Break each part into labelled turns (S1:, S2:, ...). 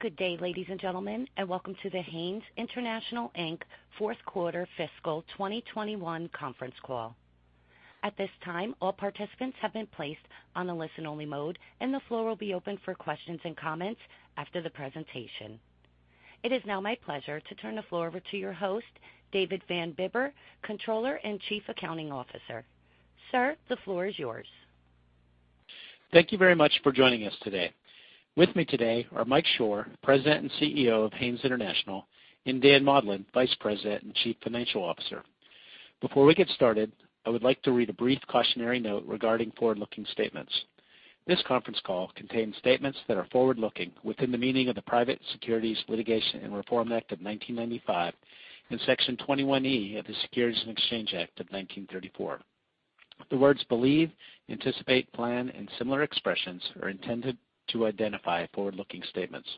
S1: Good day, ladies and gentlemen, and welcome to the Haynes International Inc. Fourth Quarter Fiscal 2021 Conference Call. At this time, all participants have been placed on a listen-only mode, and the floor will be open for questions and comments after the presentation. It is now my pleasure to turn the floor over to your host, David Van Bibber, Controller and Chief Accounting Officer. Sir, the floor is yours.
S2: Thank you very much for joining us today. With me today are Mike Shor, President and CEO of Haynes International, and Dan Maudlin, Vice President and Chief Financial Officer. Before we get started, I would like to read a brief cautionary note regarding forward-looking statements. This conference call contains statements that are forward-looking within the meaning of the Private Securities Litigation Reform Act of 1995 and Section 21E of the Securities Exchange Act of 1934. The words believe, anticipate, plan, and similar expressions are intended to identify forward-looking statements.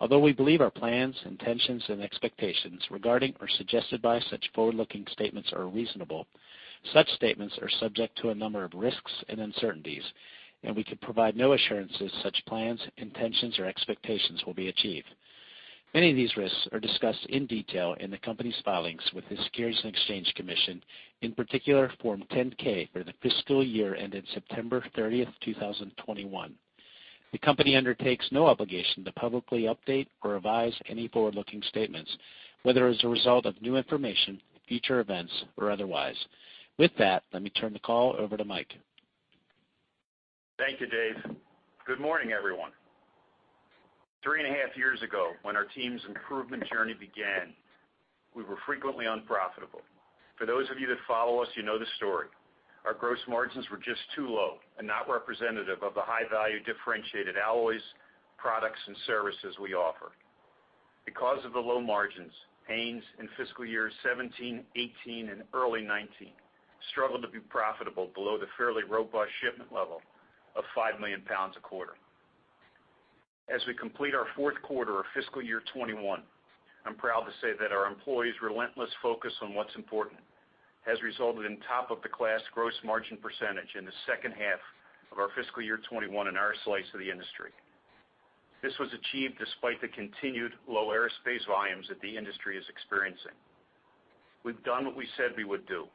S2: Although we believe our plans, intentions, and expectations regarding or suggested by such forward-looking statements are reasonable, such statements are subject to a number of risks and uncertainties, and we can provide no assurances such plans, intentions, or expectations will be achieved. Many of these risks are discussed in detail in the company's filings with the Securities and Exchange Commission, in particular Form 10-K for the fiscal year ended September 30, 2021. The company undertakes no obligation to publicly update or revise any forward-looking statements, whether as a result of new information, future events, or otherwise. With that, let me turn the call over to Mike.
S3: Thank you, Dave. Good morning, everyone. Three and a half years ago, when our team's improvement journey began, we were frequently unprofitable. For those of you that follow us, you know the story. Our gross margins were just too low and not representative of the high-value differentiated alloys, products, and services we offer. Because of the low margins, Haynes in fiscal year 2017, 2018, and early 2019 struggled to be profitable below the fairly robust shipment level of 5 million pounds a quarter. As we complete our fourth quarter of fiscal year 2021, I'm proud to say that our employees' relentless focus on what's important has resulted in top of the class gross margin percentage in the second half of our fiscal year 2021 in our slice of the industry. This was achieved despite the continued low aerospace volumes that the industry is experiencing. We've done what we said we would do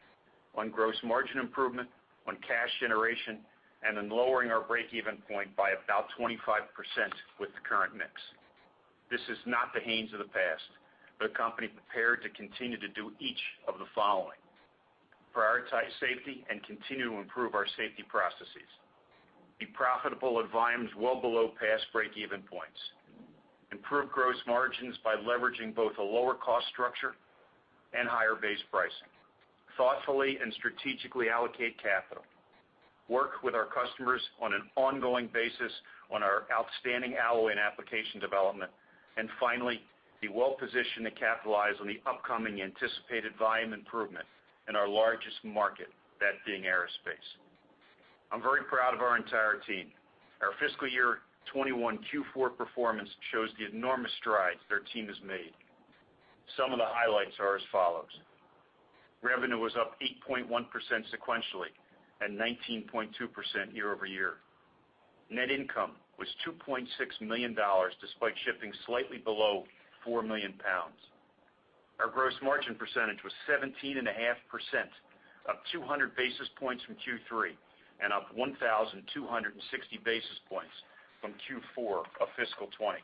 S3: on gross margin improvement, on cash generation, and in lowering our break-even point by about 25% with the current mix. This is not the Haynes of the past, but a company prepared to continue to do each of the following, prioritize safety and continue to improve our safety processes, be profitable at volumes well below past break-even points, improve gross margins by leveraging both a lower cost structure and higher base pricing, thoughtfully and strategically allocate capital, work with our customers on an ongoing basis on our outstanding alloy and application development, and finally, be well-positioned to capitalize on the upcoming anticipated volume improvement in our largest market, that being aerospace. I'm very proud of our entire team. Our fiscal year 2021 Q4 performance shows the enormous strides their team has made. Some of the highlights are as follows. Revenue was up 8.1% sequentially and 19.2% year-over-year. Net income was $2.6 million despite shipping slightly below 4 million pounds. Our gross margin percentage was 17.5%, up 200 basis points from Q3 and up 1,260 basis points from Q4 of fiscal 2020.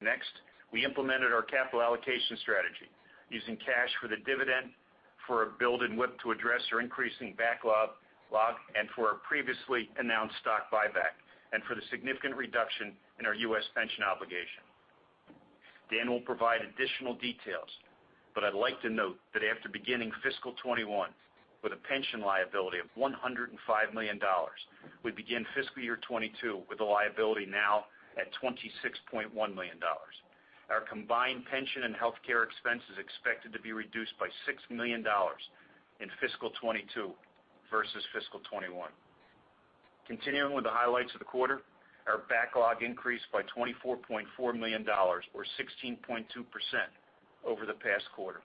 S3: Next, we implemented our capital allocation strategy using cash for the dividend for a build in WIP to address our increasing backlog, and for our previously announced stock buyback, and for the significant reduction in our U.S. pension obligation. Dan will provide additional details, but I'd like to note that after beginning fiscal 2021 with a pension liability of $105 million, we begin fiscal year 2022 with a liability now at $26.1 million. Our combined pension and health care expense is expected to be reduced by $6 million in fiscal 2022 versus fiscal 2021. Continuing with the highlights of the quarter, our backlog increased by $24.4 million or 16.2% over the past quarter.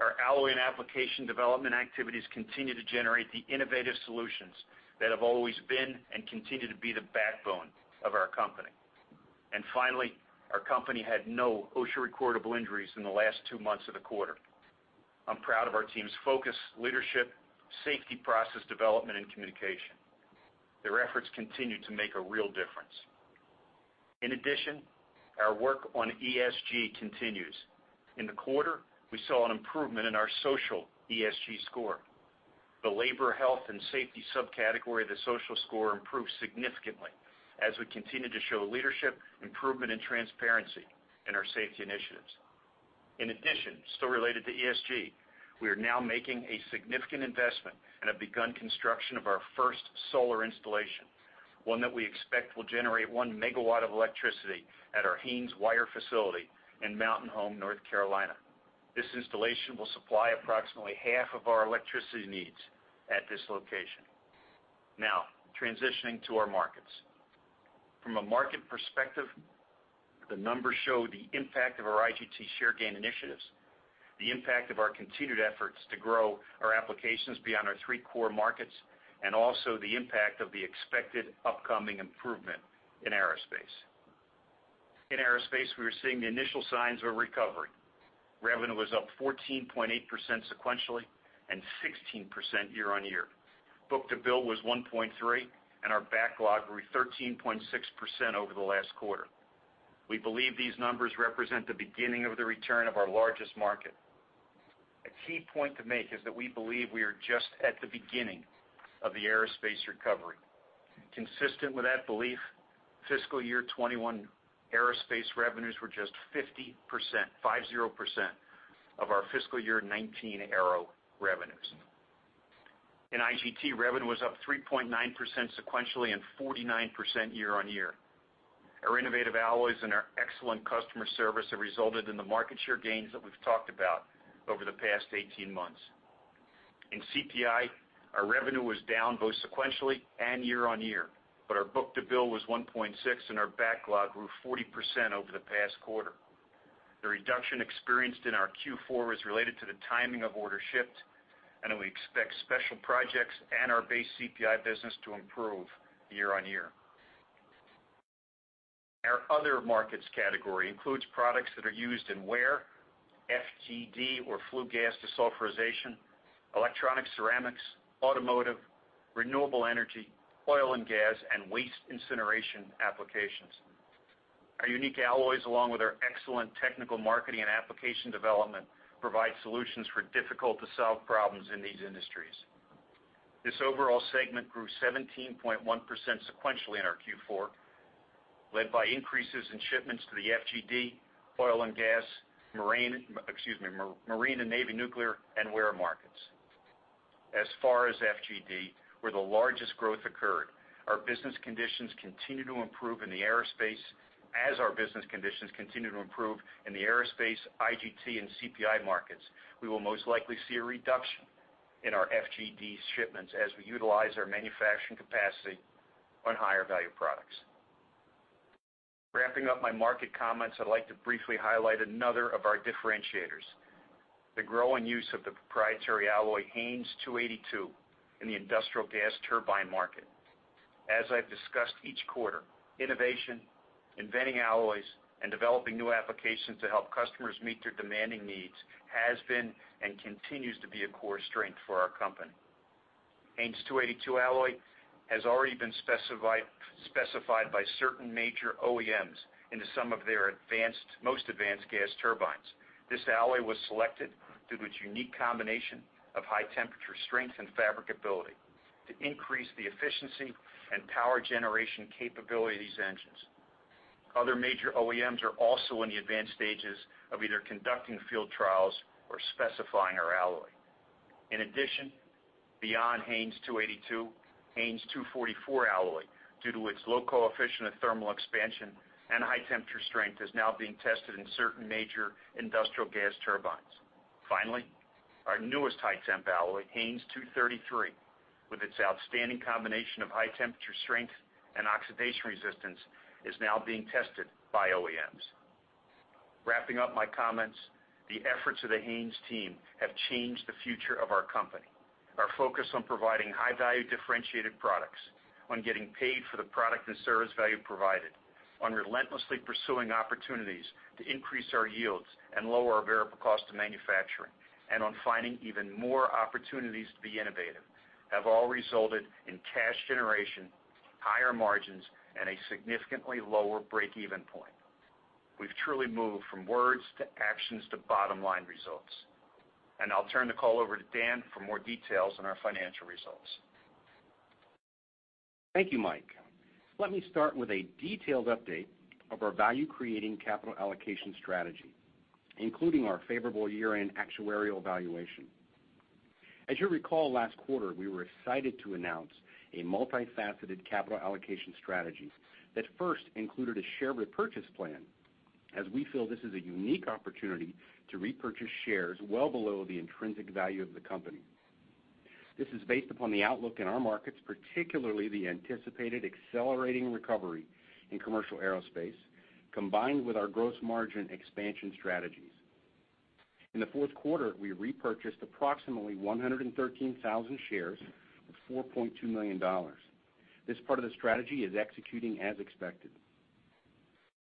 S3: Our alloy and application development activities continue to generate the innovative solutions that have always been and continue to be the backbone of our company. Finally, our company had no OSHA-recordable injuries in the last two months of the quarter. I'm proud of our team's focus, leadership, safety process development, and communication. Their efforts continue to make a real difference. In addition, our work on ESG continues. In the quarter, we saw an improvement in our social ESG score. The labor, health, and safety subcategory of the social score improved significantly as we continue to show leadership, improvement, and transparency in our safety initiatives. In addition, still related to ESG, we are now making a significant investment and have begun construction of our first solar installation, one that we expect will generate 1 MW of electricity at our Haynes wire facility in Mountain Home, North Carolina. This installation will supply approximately half of our electricity needs at this location. Now, transitioning to our markets. From a market perspective. The numbers show the impact of our IGT share gain initiatives, the impact of our continued efforts to grow our applications beyond our three core markets, and also the impact of the expected upcoming improvement in aerospace. In aerospace, we are seeing the initial signs of a recovery. Revenue was up 14.8% sequentially and 16% year-on-year. Book-to-bill was 1.3, and our backlog grew 13.6% over the last quarter. We believe these numbers represent the beginning of the return of our largest market. A key point to make is that we believe we are just at the beginning of the aerospace recovery. Consistent with that belief, fiscal year 2021 aerospace revenues were just 50%, 50% of our fiscal year 2019 aero revenues. In IGT, revenue was up 3.9% sequentially and 49% year-over-year. Our innovative alloys and our excellent customer service have resulted in the market share gains that we've talked about over the past 18 months. In CPI, our revenue was down both sequentially and year-over-year, but our book-to-bill was 1.6 and our backlog grew 40% over the past quarter. The reduction experienced in our Q4 was related to the timing of orders shipped, and we expect special projects and our base CPI business to improve year-over-year. Our other markets category includes products that are used in wear, FGD or flue gas desulfurization, electronic ceramics, automotive, renewable energy, oil and gas, and waste incineration applications. Our unique alloys, along with our excellent technical marketing and application development, provide solutions for difficult-to-solve problems in these industries. This overall segment grew 17.1% sequentially in our Q4, led by increases in shipments to the FGD, oil and gas, marine and navy nuclear, and wear markets. As far as FGD, where the largest growth occurred, our business conditions continue to improve in the aerospace IGT and CPI markets. We will most likely see a reduction in our FGD shipments as we utilize our manufacturing capacity on higher value products. Wrapping up my market comments, I'd like to briefly highlight another of our differentiators, the growing use of the proprietary alloy HAYNES 282 in the industrial gas turbine market. As I've discussed each quarter, innovation, inventing alloys, and developing new applications to help customers meet their demanding needs has been and continues to be a core strength for our company. HAYNES 282 alloy has already been specified by certain major OEMs into some of their most advanced gas turbines. This alloy was selected due to its unique combination of high temperature strength and fabricability to increase the efficiency and power generation capability of these engines. Other major OEMs are also in the advanced stages of either conducting field trials or specifying our alloy. In addition, beyond HAYNES 282, HAYNES 244 alloy, due to its low coefficient of thermal expansion and high temperature strength, is now being tested in certain major industrial gas turbines. Finally, our newest high temp alloy, HAYNES 233, with its outstanding combination of high temperature strength and oxidation resistance, is now being tested by OEMs. Wrapping up my comments, the efforts of the Haynes team have changed the future of our company. Our focus on providing high value differentiated products, on getting paid for the product and service value provided, on relentlessly pursuing opportunities to increase our yields and lower our variable cost of manufacturing, and on finding even more opportunities to be innovative have all resulted in cash generation, higher margins, and a significantly lower break-even point. We've truly moved from words to actions to bottom-line results. I'll turn the call over to Dan for more details on our financial results.
S4: Thank you, Mike. Let me start with a detailed update of our value-creating capital allocation strategy, including our favorable year-end actuarial valuation. As you recall, last quarter we were excited to announce a multifaceted capital allocation strategy that first included a share repurchase plan, as we feel this is a unique opportunity to repurchase shares well below the intrinsic value of the company. This is based upon the outlook in our markets, particularly the anticipated accelerating recovery in commercial aerospace, combined with our gross margin expansion strategies. In the fourth quarter, we repurchased approximately 113,000 shares for $4.2 million. This part of the strategy is executing as expected.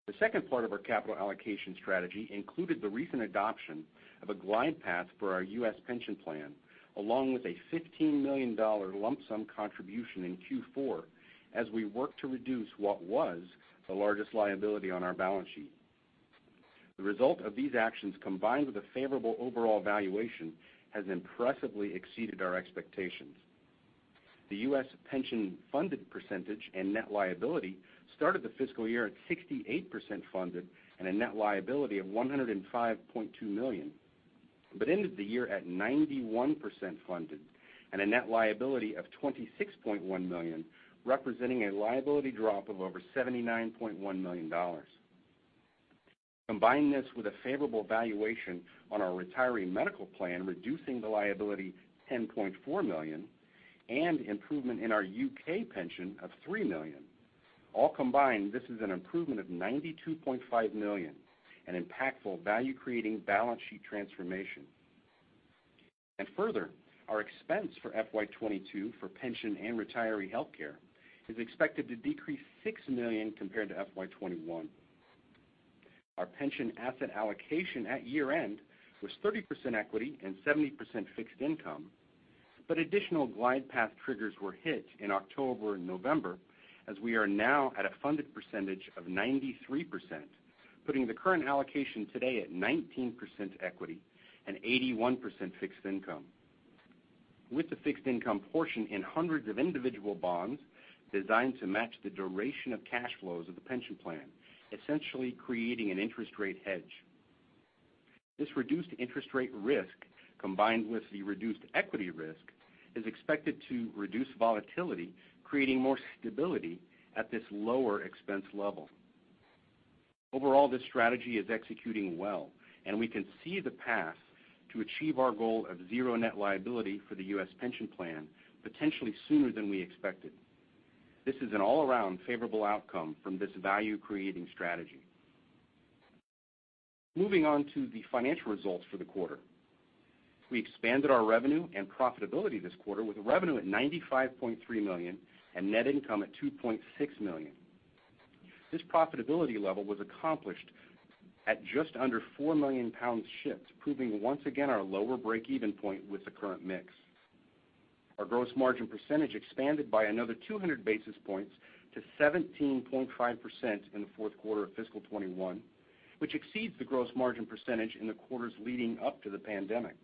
S4: The second part of our capital allocation strategy included the recent adoption of a glide path for our U.S. pension plan, along with a $15 million lump sum contribution in Q4 as we work to reduce what was the largest liability on our balance sheet. The result of these actions, combined with a favorable overall valuation, has impressively exceeded our expectations. The U.S. pension funded percentage and net liability started the fiscal year at 68% funded and a net liability of $105.2 million, but ended the year at 91% funded and a net liability of $26.1 million, representing a liability drop of over $79.1 million. Combine this with a favorable valuation on our retiree medical plan, reducing the liability $10.4 million, and improvement in our U.K. pension of $3 million. All combined, this is an improvement of $92.5 million, an impactful value-creating balance sheet transformation. Further, our expense for FY 2022 for pension and retiree healthcare is expected to decrease $6 million compared to FY 2021. Our pension asset allocation at year-end was 30% equity and 70% fixed income, but additional glide path triggers were hit in October and November, as we are now at a funded percentage of 93%, putting the current allocation today at 19% equity and 81% fixed income. With the fixed income portion in hundreds of individual bonds designed to match the duration of cash flows of the pension plan, essentially creating an interest rate hedge. This reduced interest rate risk, combined with the reduced equity risk, is expected to reduce volatility, creating more stability at this lower expense level. Overall, this strategy is executing well, and we can see the path to achieve our goal of zero net liability for the U.S. pension plan potentially sooner than we expected. This is an all-around favorable outcome from this value-creating strategy. Moving on to the financial results for the quarter. We expanded our revenue and profitability this quarter with revenue at $95.3 million and net income at $2.6 million. This profitability level was accomplished at just under 4 million pounds shipped, proving once again our lower break-even point with the current mix. Our gross margin percentage expanded by another 200 basis points to 17.5% in the fourth quarter of fiscal 2021, which exceeds the gross margin percentage in the quarters leading up to the pandemic.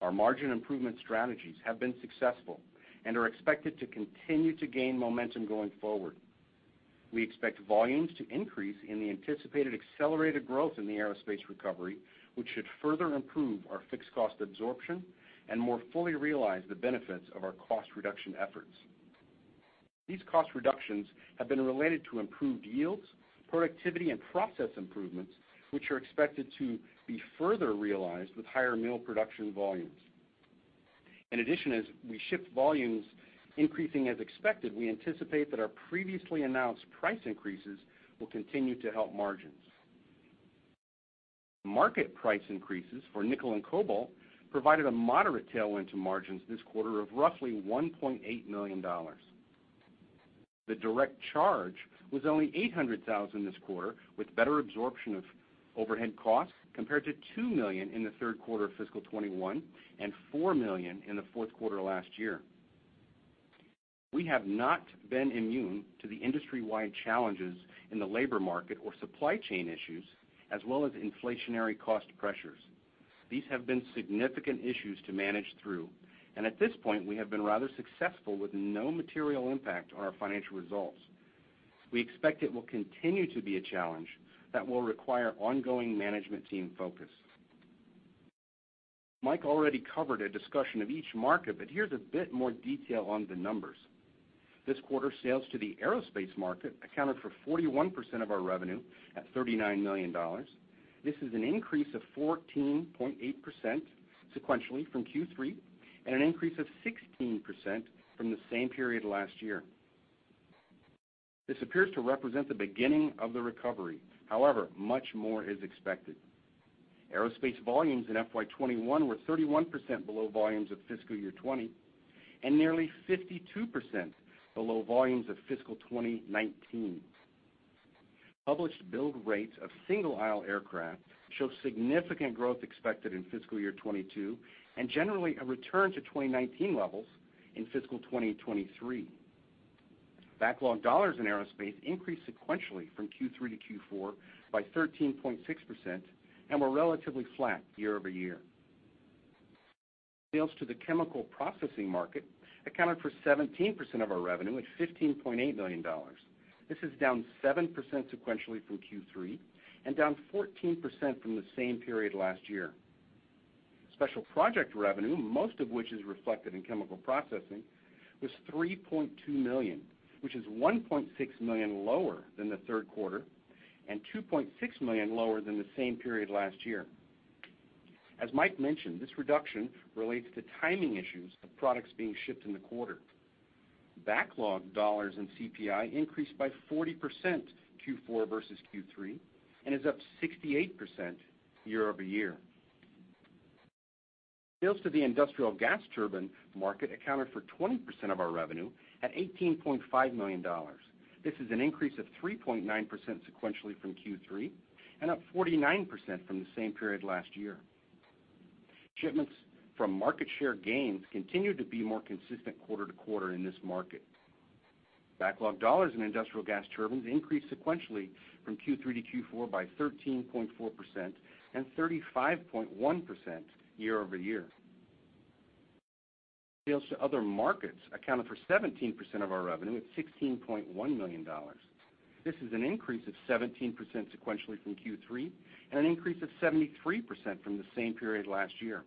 S4: Our margin improvement strategies have been successful and are expected to continue to gain momentum going forward. We expect volumes to increase in the anticipated accelerated growth in the aerospace recovery, which should further improve our fixed cost absorption and more fully realize the benefits of our cost reduction efforts. These cost reductions have been related to improved yields, productivity, and process improvements, which are expected to be further realized with higher mill production volumes. In addition, as we ship volumes increasing as expected, we anticipate that our previously announced price increases will continue to help margins. Market price increases for nickel and cobalt provided a moderate tailwind to margins this quarter of roughly $1.8 million. The direct charge was only $800,000 this quarter, with better absorption of overhead costs, compared to $2 million in the third quarter of fiscal 2021 and $4 million in the fourth quarter last year. We have not been immune to the industry-wide challenges in the labor market or supply chain issues, as well as inflationary cost pressures. These have been significant issues to manage through, and at this point, we have been rather successful with no material impact on our financial results. We expect it will continue to be a challenge that will require ongoing management team focus. Mike already covered a discussion of each market, but here's a bit more detail on the numbers. This quarter, sales to the aerospace market accounted for 41% of our revenue at $39 million. This is an increase of 14.8% sequentially from Q3 and an increase of 16% from the same period last year. This appears to represent the beginning of the recovery. However, much more is expected. Aerospace volumes in FY 2021 were 31% below volumes of FY 2020 and nearly 52% below volumes of FY 2019. Published build rates of single aisle aircraft show significant growth expected in FY 2022 and generally a return to 2019 levels in FY 2023. Backlog dollars in aerospace increased sequentially from Q3 to Q4 by 13.6% and were relatively flat year-over-year. Sales to the chemical processing market accounted for 17% of our revenue at $15.8 million. This is down 7% sequentially from Q3 and down 14% from the same period last year. Special project revenue, most of which is reflected in chemical processing, was $3.2 million, which is $1.6 million lower than the third quarter and $2.6 million lower than the same period last year. As Mike mentioned, this reduction relates to timing issues of products being shipped in the quarter. Backlog dollars in CPI increased by 40% Q4 versus Q3 and is up 68% year-over-year. Sales to the industrial gas turbine market accounted for 20% of our revenue at $18.5 million. This is an increase of 3.9% sequentially from Q3 and up 49% from the same period last year. Shipments from market share gains continue to be more consistent quarter-to-quarter in this market. Backlog dollars in industrial gas turbines increased sequentially from Q3 to Q4 by 13.4% and 35.1% year-over-year. Sales to other markets accounted for 17% of our revenue at $16.1 million. This is an increase of 17% sequentially from Q3 and an increase of 73% from the same period last year.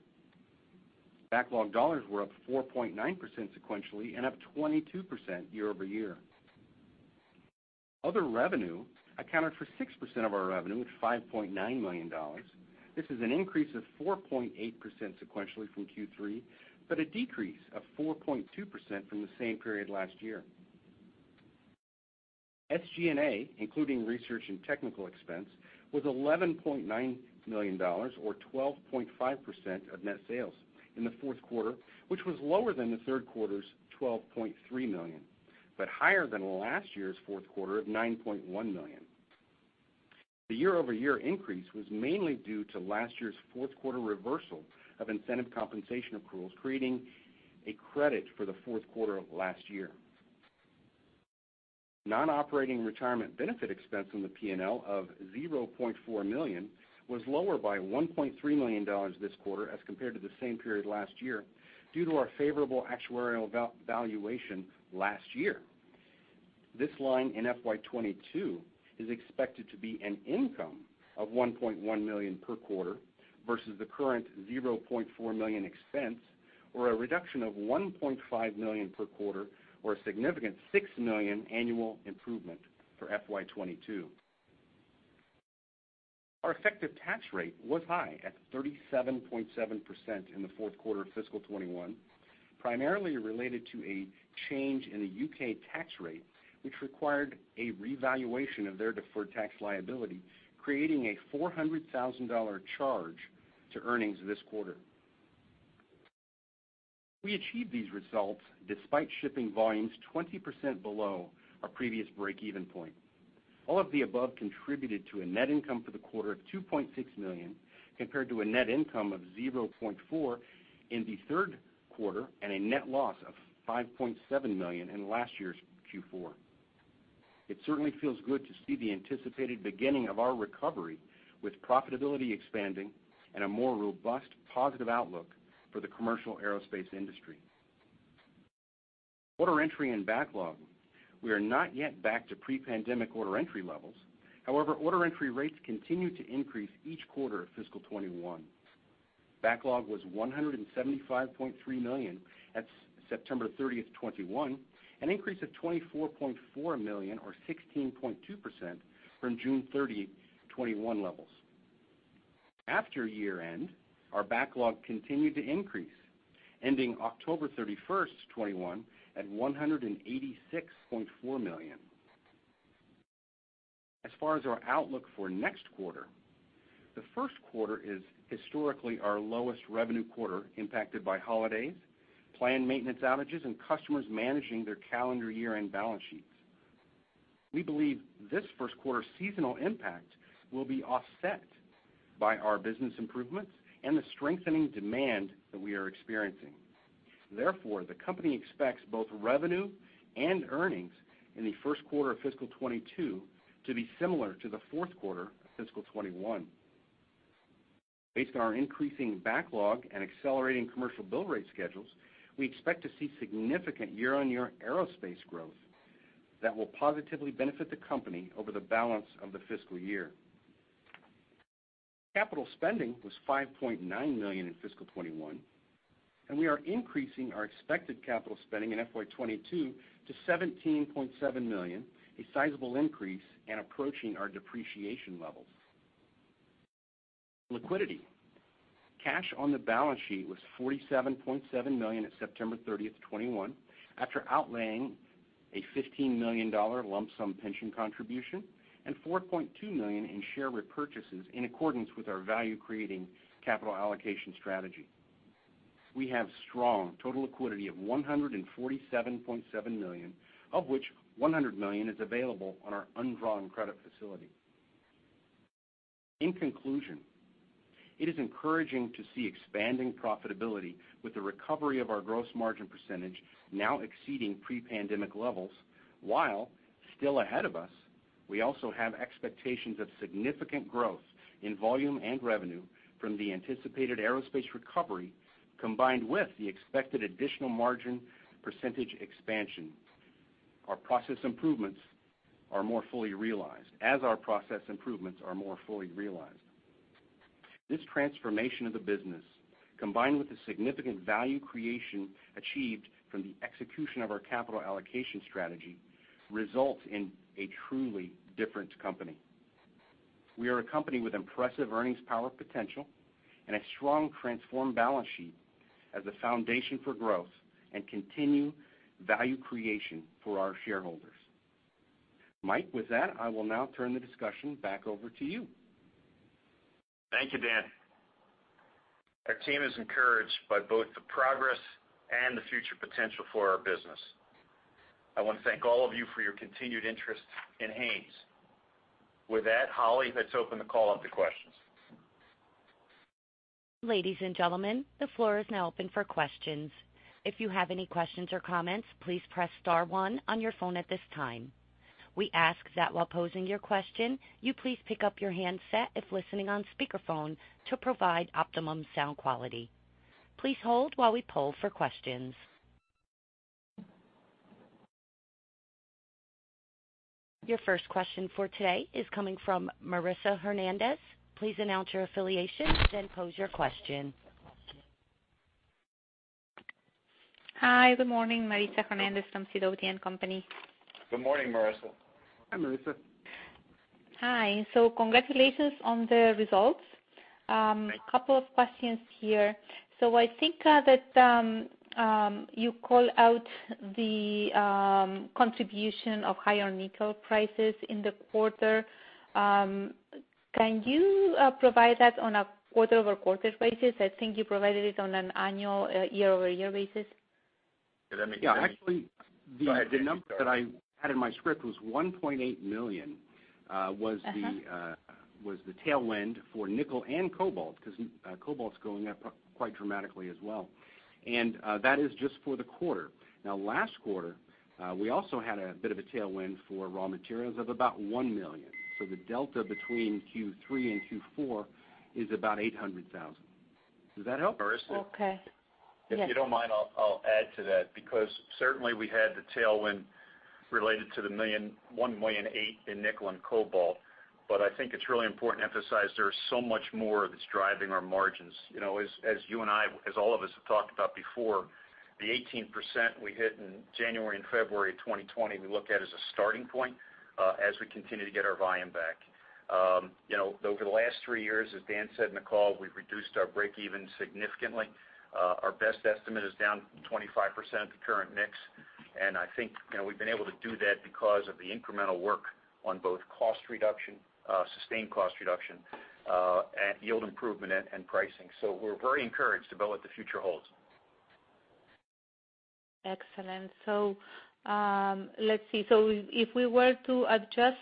S4: Backlog dollars were up 4.9% sequentially and up 22% year-over-year. Other revenue accounted for 6% of our revenue at $5.9 million. This is an increase of 4.8% sequentially from Q3, but a decrease of 4.2% from the same period last year. SG&A, including research and technical expense, was $11.9 million or 12.5% of net sales in the fourth quarter, which was lower than the third quarter's $12.3 million, but higher than last year's fourth quarter of $9.1 million. The year-over-year increase was mainly due to last year's fourth quarter reversal of incentive compensation accruals, creating a credit for the fourth quarter of last year. Non-operating retirement benefit expense on the P&L of $0.4 million was lower by $1.3 million this quarter as compared to the same period last year due to our favorable actuarial valuation last year. This line in FY 2022 is expected to be an income of $1.1 million per quarter versus the current $0.4 million expense or a reduction of $1.5 million per quarter or a significant $6 million annual improvement for FY 2022. Our effective tax rate was high at 37.7% in the fourth quarter of fiscal 2021, primarily related to a change in the U.K. tax rate, which required a revaluation of their deferred tax liability, creating a $400,000 charge to earnings this quarter. We achieved these results despite shipping volumes 20% below our previous break-even point. All of the above contributed to a net income for the quarter of $2.6 million, compared to a net income of $0.4 million in the third quarter and a net loss of $5.7 million in last year's Q4. It certainly feels good to see the anticipated beginning of our recovery, with profitability expanding and a more robust positive outlook for the commercial aerospace industry. Order entry and backlog. We are not yet back to pre-pandemic order entry levels. However, order entry rates continue to increase each quarter of fiscal 2021. Backlog was $175.3 million at September 30, 2021, an increase of $24.4 million or 16.2% from June 30, 2021 levels. After year-end, our backlog continued to increase, ending October 31, 2021 at $186.4 million. As far as our outlook for next quarter, the first quarter is historically our lowest revenue quarter, impacted by holidays, planned maintenance outages, and customers managing their calendar year-end balance sheets. We believe this first quarter seasonal impact will be offset by our business improvements and the strengthening demand that we are experiencing. Therefore, the company expects both revenue and earnings in the first quarter of fiscal 2022 to be similar to the fourth quarter of fiscal 2021. Based on our increasing backlog and accelerating commercial build rate schedules, we expect to see significant year-on-year aerospace growth that will positively benefit the company over the balance of the fiscal year. Capital spending was $5.9 million in fiscal 2021, and we are increasing our expected capital spending in FY 2022 to $17.7 million, a sizable increase and approaching our depreciation levels. Liquidity. Cash on the balance sheet was $47.7 million at September 30, 2021, after outlaying a $15 million lump sum pension contribution and $4.2 million in share repurchases in accordance with our value-creating capital allocation strategy. We have strong total liquidity of $147.7 million, of which $100 million is available on our undrawn credit facility. In conclusion, it is encouraging to see expanding profitability with the recovery of our gross margin percentage now exceeding pre-pandemic levels. While still ahead of us, we also have expectations of significant growth in volume and revenue from the anticipated aerospace recovery, combined with the expected additional margin percentage expansion. Our process improvements are more fully realized. This transformation of the business, combined with the significant value creation achieved from the execution of our capital allocation strategy, results in a truly different company. We are a company with impressive earnings power potential and a strong transformed balance sheet as a foundation for growth and continued value creation for our shareholders. Mike, with that, I will now turn the discussion back over to you.
S3: Thank you, Dan. Our team is encouraged by both the progress and the future potential for our business. I want to thank all of you for your continued interest in Haynes. With that, Holly, let's open the call up to questions.
S1: Ladies and gentlemen, the floor is now open for questions. If you have any questions or comments, please press star one on your phone at this time. We ask that while posing your question, you please pick up your handset if listening on speakerphone to provide optimum sound quality. Please hold while we poll for questions. Your first question for today is coming from Marisa Hernandez. Please announce your affiliation, then pose your question.
S5: Hi, good morning, Marisa Hernandez from Sidoti & Company.
S3: Good morning, Marisa.
S4: Hi, Marisa.
S5: Hi. Congratulations on the results. Couple of questions here. I think that you call out the contribution of higher nickel prices in the quarter. Can you provide that on a quarter-over-quarter basis? I think you provided it on an annual year-over-year basis.
S3: Did that make any-
S4: Yeah, actually.
S3: Go ahead, Dan.
S4: The number that I had in my script was $1.8 million was the tailwind for nickel and cobalt, 'cause cobalt's going up quite dramatically as well. That is just for the quarter. Now last quarter, we also had a bit of a tailwind for raw materials of about $1 million. The delta between Q3 and Q4 is about $800,000. Does that help?
S3: Marisa?
S5: Okay. Yes.
S3: If you don't mind, I'll add to that, because certainly we had the tailwind related to the $1.8 million in nickel and cobalt, but I think it's really important to emphasize there is so much more that's driving our margins. You know, as you and I, as all of us have talked about before, the 18% we hit in January and February of 2020, we look at as a starting point, as we continue to get our volume back. You know, over the last three years, as Dan said in the call, we've reduced our break-even significantly. Our best estimate is down 25% at the current mix, and I think, you know, we've been able to do that because of the incremental work on both cost reduction, sustained cost reduction, and yield improvement and pricing. We're very encouraged about what the future holds.
S5: Excellent. Let's see. If we were to adjust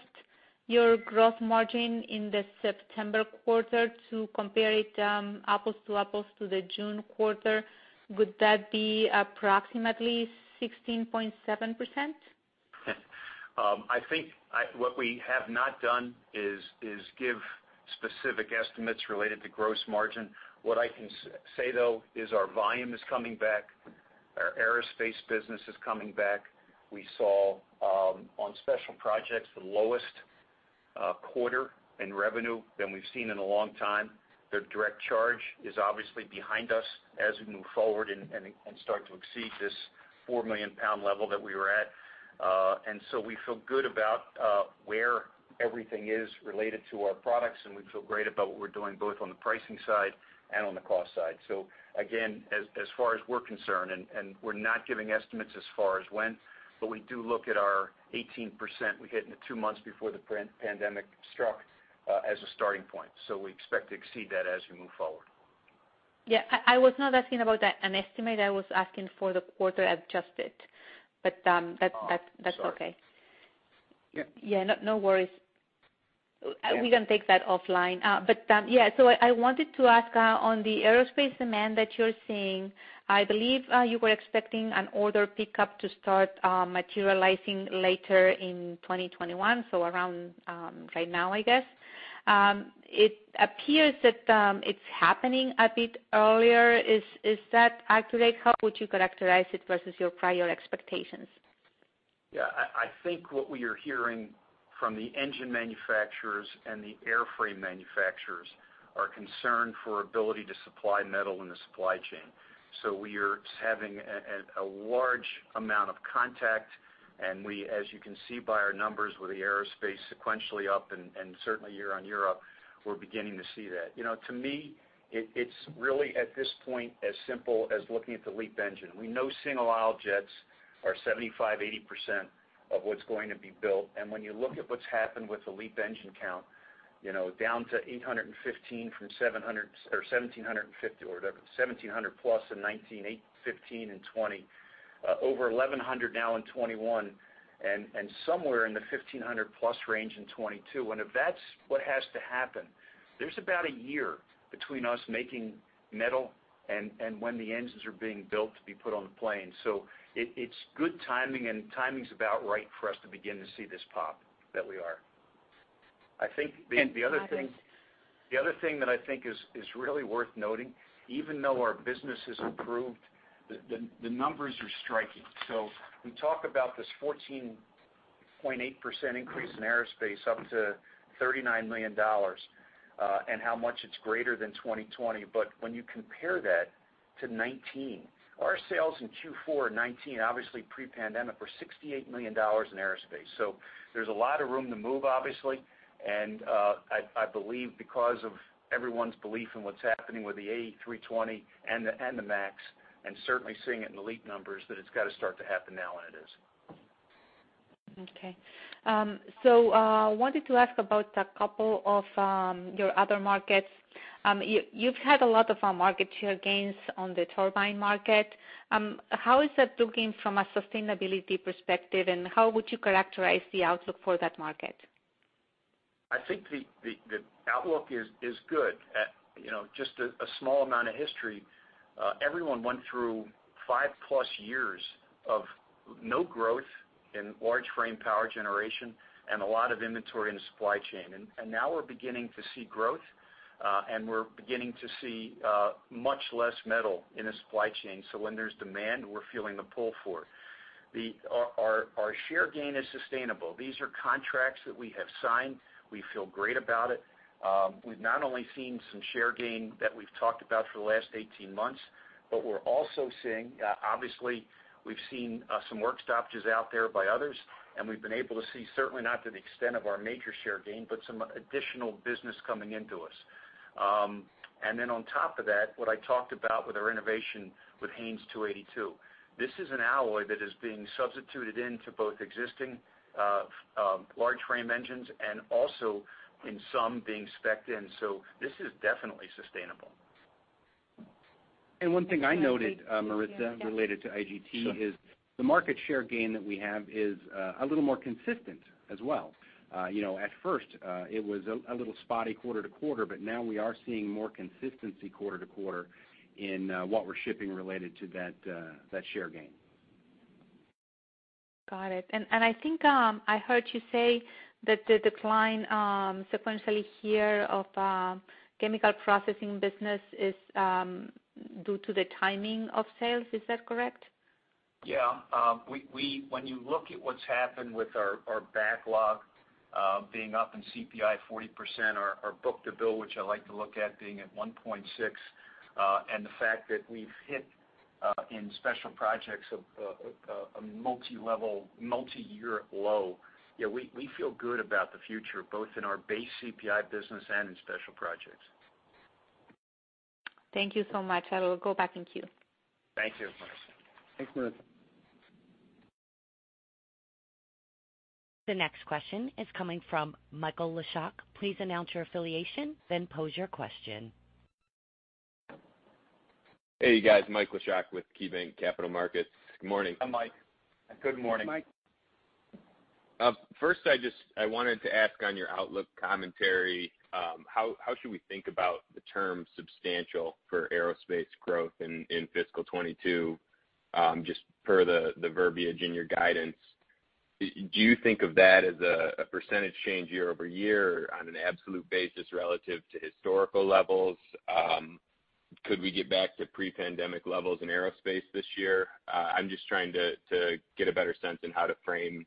S5: your gross margin in the September quarter to compare it, apples to apples to the June quarter, would that be approximately 16.7%?
S3: I think what we have not done is give specific estimates related to gross margin. What I can say, though, is our volume is coming back, our aerospace business is coming back. We saw on special projects, the lowest quarter in revenue than we've seen in a long time. The direct charge is obviously behind us as we move forward and start to exceed this 4 million-pound level that we were at. We feel good about where everything is related to our products, and we feel great about what we're doing, both on the pricing side and on the cost side. Again, as far as we're concerned, we're not giving estimates as far as when, but we do look at our 18% we hit in the two months before the pre-pandemic struck, as a starting point. We expect to exceed that as we move forward.
S5: Yeah. I was not asking about an estimate. I was asking for the quarter adjusted, but that's, that's okay.
S3: Sorry.
S5: Yeah, no worries.
S3: Yeah.
S5: We can take that offline. I wanted to ask on the aerospace demand that you're seeing. I believe you were expecting an order pickup to start materializing later in 2021, so around right now, I guess. It appears that it's happening a bit earlier. Is that accurate? How would you characterize it versus your prior expectations?
S3: Yeah. I think what we are hearing from the engine manufacturers and the airframe manufacturers are concerned for ability to supply metal in the supply chain. We are having a large amount of contact, and we, as you can see by our numbers with the aerospace sequentially up and certainly year-over-year up, we're beginning to see that. You know, to me, it's really at this point as simple as looking at the LEAP engine. We know single-aisle jets are 75%-80% of what's going to be built. When you look at what's happened with the LEAP engine count, you know, down to 815 from 700, or 1,750 or whatever, 1,700 plus in 2019, 815 in 2020, over 1,100 now in 2021, and somewhere in the 1,500 plus range in 2022. If that's what has to happen, there's about a year between us making metal and when the engines are being built to be put on the plane. It's good timing, and timing's about right for us to begin to see this pop that we are. I think the other thing-
S5: Okay.
S3: The other thing that I think is really worth noting, even though our business has improved, the numbers are striking. We talk about this 14.8% increase in aerospace, up to $39 million, and how much it's greater than 2020, but when you compare that to 2019, our sales in Q4 2019, obviously pre-pandemic, were $68 million in aerospace. There's a lot of room to move, obviously, and I believe because of everyone's belief in what's happening with the A320 and the MAX, and certainly seeing it in the LEAP numbers, that it's gotta start to happen now, and it is.
S5: Okay. Wanted to ask about a couple of your other markets. You, you've had a lot of market share gains on the turbine market. How is that looking from a sustainability perspective, and how would you characterize the outlook for that market?
S3: I think the outlook is good. You know just a small amount of history, everyone went through five-plus years of no growth in large frame power generation and a lot of inventory in the supply chain. Now we're beginning to see growth. We're beginning to see much less metal in the supply chain, so when there's demand, we're feeling the pull for it. Our share gain is sustainable. These are contracts that we have signed. We feel great about it. We've not only seen some share gain that we've talked about for the last 18 months, but we're also seeing obviously we've seen some work stoppages out there by others, and we've been able to see certainly not to the extent of our major share gain, but some additional business coming into us. On top of that, what I talked about with our innovation with HAYNES 282. This is an alloy that is being substituted into both existing large frame engines and also in some being specced in. This is definitely sustainable.
S4: One thing I noted, Marisa, related to IGT is the market share gain that we have is a little more consistent as well. You know, at first, it was a little spotty quarter-to-quarter, but now we are seeing more consistency quarter-to-quarter in what we're shipping related to that share gain.
S5: Got it. I think I heard you say that the decline sequentially here of chemical processing business is due to the timing of sales. Is that correct?
S3: Yeah. When you look at what's happened with our backlog being up in CPI 40%, our book-to-bill, which I like to look at being at 1.6, and the fact that we've hit in special projects a multilevel, multiyear low, we feel good about the future, both in our base CPI business and in special projects.
S5: Thank you so much. I will go back in queue.
S3: Thank you.
S4: Thanks, Marisa.
S1: The next question is coming from Michael Leshock. Please announce your affiliation, then pose your question.
S6: Hey, guys. Mike Leshock with KeyBanc Capital Markets. Good morning.
S3: Hi, Mike. Good morning.
S4: Hey, Mike.
S6: First, I wanted to ask on your outlook commentary, how should we think about the term substantial for aerospace growth in fiscal 2022, just per the verbiage in your guidance? Do you think of that as a percentage change year-over-year on an absolute basis relative to historical levels? Could we get back to pre-pandemic levels in aerospace this year? I'm just trying to get a better sense in how to frame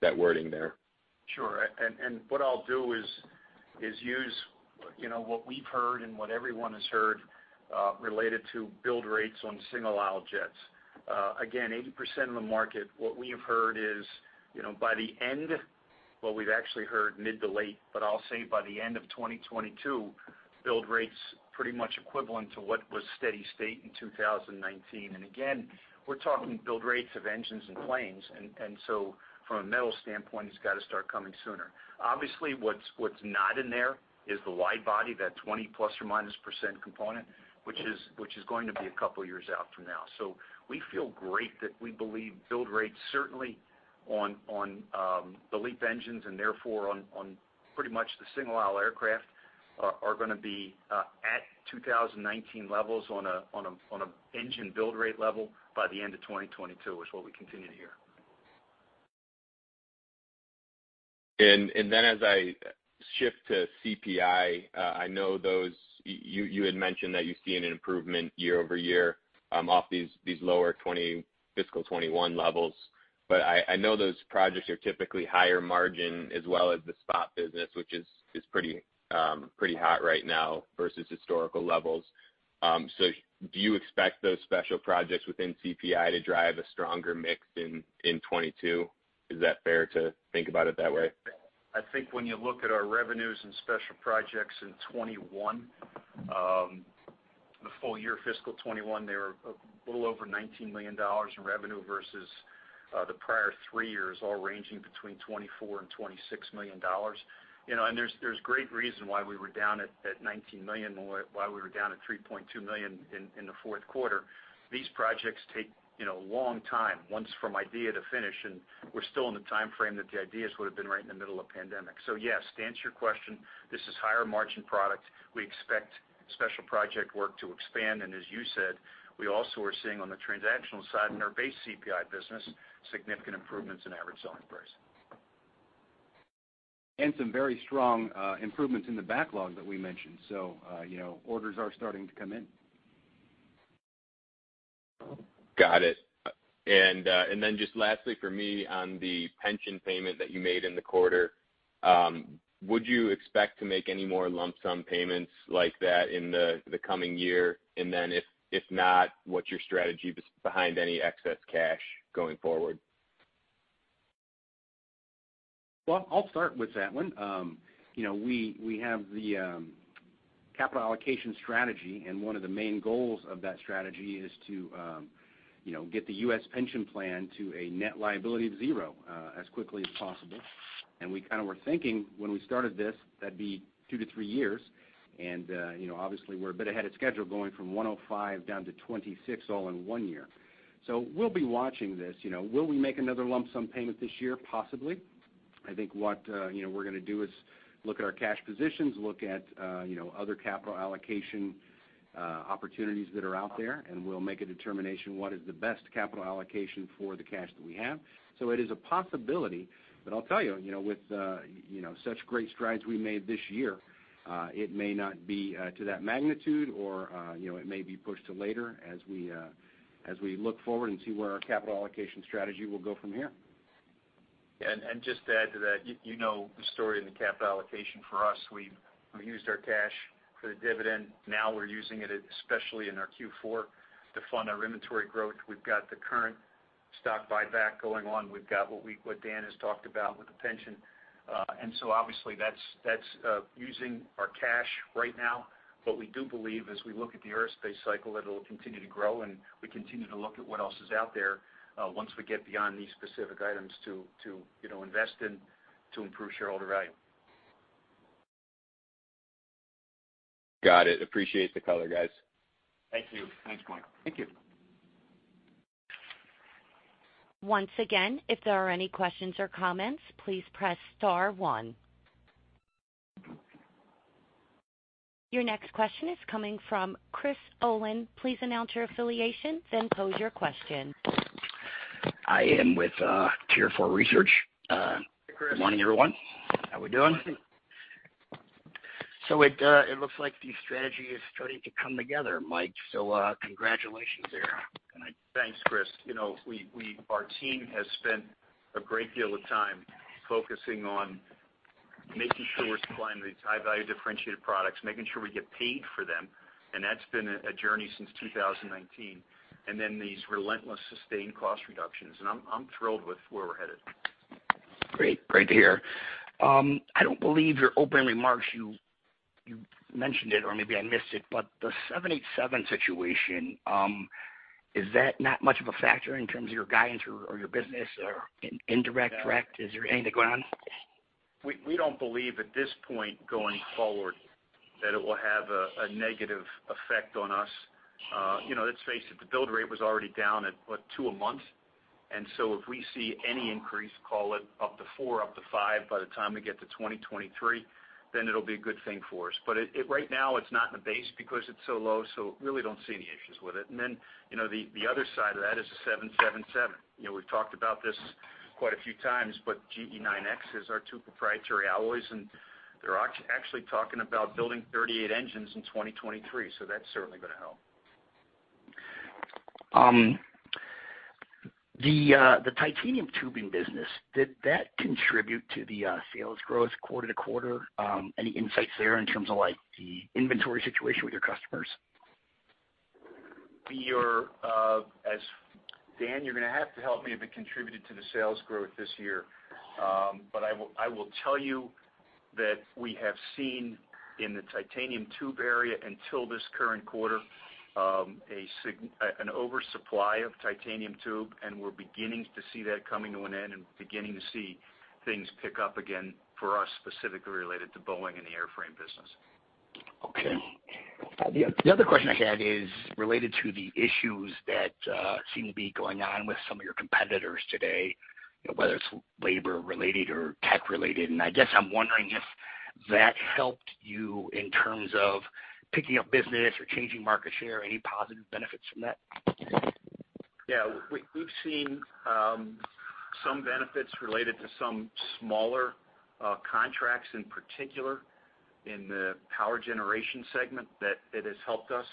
S6: that wording there.
S3: Sure. What I'll do is use you know what we've heard and what everyone has heard related to build rates on single-aisle jets. Again, 80% of the market, what we have heard is you know by the end, what we've actually heard mid- to late, but I'll say by the end of 2022, build rates pretty much equivalent to what was steady state in 2019. Again, we're talking build rates of engines and planes. From a metal standpoint, it's gotta start coming sooner. Obviously, what's not in there is the wide body, that 20% plus or minus component, which is going to be a couple years out from now. We feel great that we believe build rates certainly on the LEAP engines and therefore on pretty much the single-aisle aircraft are gonna be at 2019 levels on a engine build rate level by the end of 2022 is what we continue to hear.
S6: As I shift to CPI, I know those you had mentioned that you're seeing an improvement year-over-year off these lower fiscal 2021 levels. I know those projects are typically higher margin as well as the spot business, which is pretty hot right now versus historical levels. Do you expect those special projects within CPI to drive a stronger mix in 2022? Is that fair to think about it that way?
S4: I think when you look at our revenues and special projects in 2021, the full year fiscal 2021, they were a little over $19 million in revenue versus the prior three years, all ranging between $24 million-$26 million. You know, and there's great reason why we were down at $19 million, why we were down at $3.2 million in the fourth quarter. These projects take, you know, a long time once from idea to finish, and we're still in the timeframe that the ideas would've been right in the middle of pandemic. So yes, to answer your question, this is higher margin product. We expect special project work to expand. As you said, we also are seeing on the transactional side in our base CPI business, significant improvements in average selling price. Some very strong improvements in the backlog that we mentioned. You know, orders are starting to come in.
S6: Got it. Then just lastly for me on the pension payment that you made in the quarter, would you expect to make any more lump sum payments like that in the coming year? If not, what's your strategy behind any excess cash going forward?
S4: Well, I'll start with that one. You know, we have the capital allocation strategy, and one of the main goals of that strategy is to you know, get the U.S. pension plan to a net liability of zero as quickly as possible. We kinda were thinking when we started this, that'd be two to three years. You know, obviously we're a bit ahead of schedule going from $105 million down to $26 million all in one year. We'll be watching this. You know, will we make another lump sum payment this year? Possibly. I think what you know, we're gonna do is look at our cash positions, look at you know, other capital allocation opportunities that are out there, and we'll make a determination what is the best capital allocation for the cash that we have. It is a possibility, but I'll tell you know, with you know, such great strides we made this year, it may not be to that magnitude or, you know, it may be pushed to later as we look forward and see where our capital allocation strategy will go from here.
S3: Just to add to that, you know, the story in the capital allocation for us. We've used our cash for the dividend. Now we're using it, especially in our Q4, to fund our inventory growth. We've got the current stock buyback going on. We've got what Dan has talked about with the pension. And so obviously that's using our cash right now. But we do believe as we look at the aerospace cycle, it'll continue to grow, and we continue to look at what else is out there, once we get beyond these specific items to you know, invest in to improve shareholder value.
S6: Got it. Appreciate the color, guys.
S3: Thank you.
S4: Thanks, Mike.
S6: Thank you.
S1: Once again, if there are any questions or comments, please press star one. Your next question is coming from Chris Olin. Please announce your affiliation, then pose your question.
S7: I am with Tier4 Research.
S3: Hey, Chris.
S7: Good morning, everyone. How we doing?
S3: Morning.
S7: It looks like the strategy is starting to come together, Mike, so, congratulations there.
S3: Thanks, Chris. You know, we our team has spent a great deal of time focusing on making sure we're supplying these high value differentiated products, making sure we get paid for them, and that's been a journey since 2019. Then these relentless sustained cost reductions. I'm thrilled with where we're headed.
S7: Great. Great to hear. I don't believe you mentioned it in your opening remarks, or maybe I missed it, but the 787 situation is it not much of a factor in terms of your guidance or your business or indirect or direct? Is there anything going on?
S3: We don't believe at this point going forward that it will have a negative effect on us. You know, let's face it, the build rate was already down at, what, two a month. If we see any increase, call it up to four, up to five by the time we get to 2023, then it'll be a good thing for us. Right now it's not in the base because it's so low, so really don't see any issues with it. You know, the other side of that is the 777. You know, we've talked about this quite a few times, but GE9X is our two proprietary alloys, and they're actually talking about building 38 engines in 2023, so that's certainly gonna help.
S7: The titanium tubing business, did that contribute to the sales growth quarter-over-quarter? Any insights there in terms of, like, the inventory situation with your customers?
S3: We are, Dan, you're gonna have to help me if it contributed to the sales growth this year. I will tell you that we have seen in the titanium tube area until this current quarter, an oversupply of titanium tube, and we're beginning to see that coming to an end and beginning to see things pick up again for us specifically related to Boeing and the airframe business.
S7: Okay. The other question I had is related to the issues that seem to be going on with some of your competitors today, you know, whether it's labor related or tech related. I guess I'm wondering if that helped you in terms of picking up business or changing market share, any positive benefits from that?
S3: Yeah. We've seen some benefits related to some smaller contracts in particular in the power generation segment that it has helped us.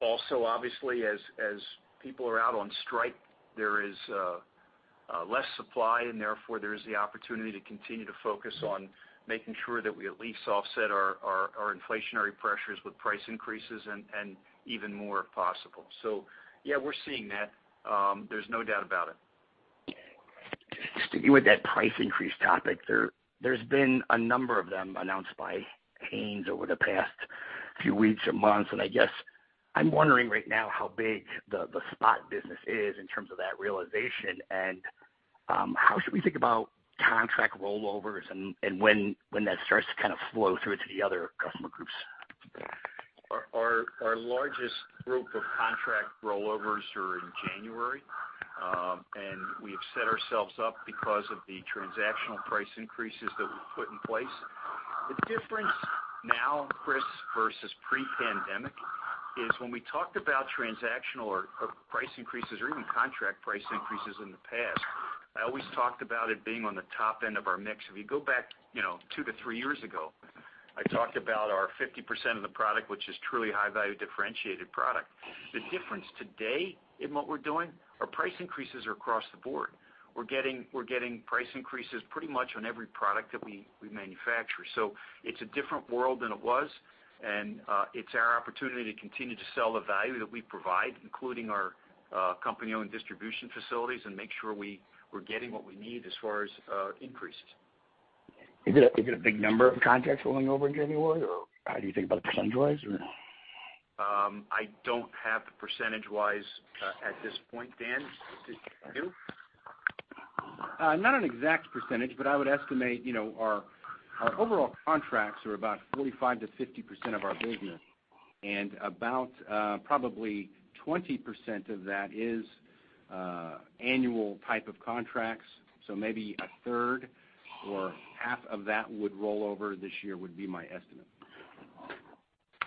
S3: Also obviously as people are out on strike, there is less supply and therefore there is the opportunity to continue to focus on making sure that we at least offset our inflationary pressures with price increases and even more if possible. Yeah, we're seeing that. There's no doubt about it.
S7: Sticking with that price increase topic, there's been a number of them announced by Haynes over the past few weeks or months. I guess I'm wondering right now how big the spot business is in terms of that realization and, how should we think about contract rollovers and, when that starts to kind of flow through to the other customer groups?
S3: Our largest group of contract rollovers are in January. We have set ourselves up because of the transactional price increases that we've put in place. The difference now, Chris, versus pre-pandemic is when we talked about transactional or price increases or even contract price increases in the past, I always talked about it being on the top end of our mix. If you go back, you know, two to three years ago, I talked about our 50% of the product, which is truly high value differentiated product. The difference today in what we're doing, our price increases are across the board. We're getting price increases pretty much on every product that we manufacture. It's a different world than it was, and it's our opportunity to continue to sell the value that we provide, including our company-owned distribution facilities and make sure we're getting what we need as far as increases.
S7: Is it a big number of contracts rolling over in January, or how do you think about it percentage-wise, or?
S3: I don't have the percentage-wise, at this point. Dan, did you?
S4: Not an exact percentage, but I would estimate, you know, our overall contracts are about 45%-50% of our business.
S3: About probably 20% of that is annual type of contracts. Maybe a third or half of that would roll over this year, would be my estimate.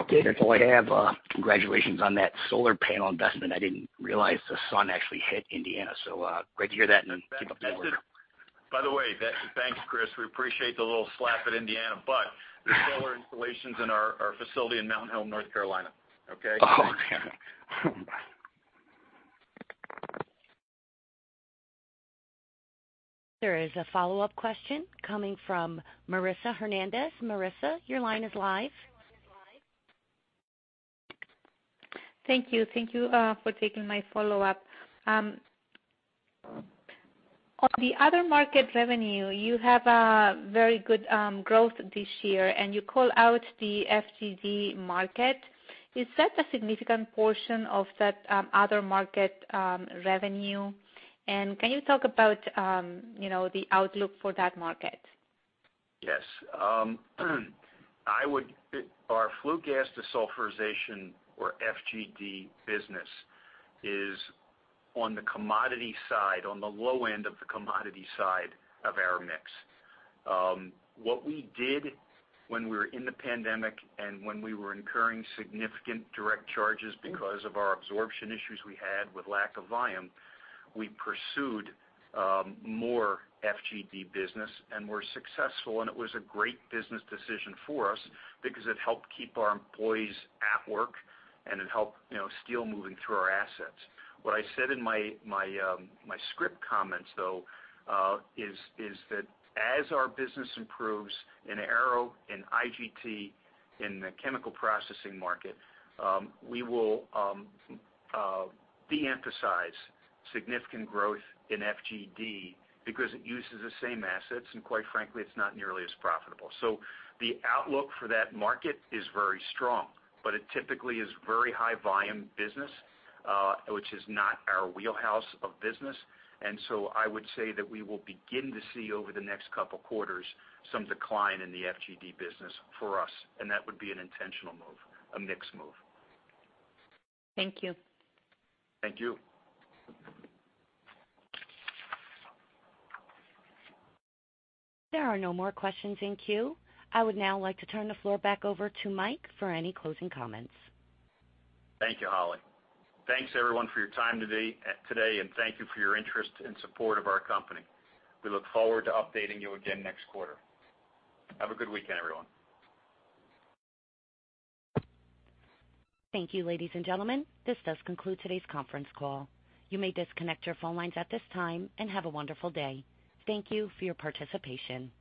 S7: Okay. That's all I have. Congratulations on that solar panel investment. I didn't realize the sun actually hit Indiana, so, great to hear that and keep up the good work.
S3: By the way, thanks, Chris. We appreciate the little slap at Indiana, but the solar installation's in our facility in Mountain Home, North Carolina. Okay?
S7: Oh, okay.
S1: There is a follow-up question coming from Marisa Hernandez. Marisa, your line is live.
S5: Thank you. Thank you for taking my follow-up. On the other market revenue, you have a very good growth this year, and you call out the FGD market. Is that a significant portion of that other market revenue? Can you talk about, you know, the outlook for that market?
S3: Yes. Our flue gas desulfurization or FGD business is on the commodity side, on the low end of the commodity side of our mix. What we did when we were in the pandemic and when we were incurring significant direct charges because of our absorption issues we had with lack of volume, we pursued more FGD business, and were successful. It was a great business decision for us because it helped keep our employees at work, and it helped, you know, steel moving through our assets. What I said in my script comments, though, is that as our business improves in aero, in IGT, in the chemical processing market, we will de-emphasize significant growth in FGD because it uses the same assets, and quite frankly, it's not nearly as profitable. The outlook for that market is very strong, but it typically is very high volume business, which is not our wheelhouse of business. That would be an intentional move, a mix move.
S5: Thank you.
S3: Thank you.
S1: There are no more questions in queue. I would now like to turn the floor back over to Mike for any closing comments.
S3: Thank you, Holly. Thanks, everyone, for your time today, and thank you for your interest and support of our company. We look forward to updating you again next quarter. Have a good weekend, everyone.
S1: Thank you, ladies and gentlemen. This does conclude today's conference call. You may disconnect your phone lines at this time, and have a wonderful day. Thank you for your participation.